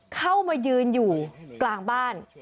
เข้ามายืนอยู่กลางบ้าน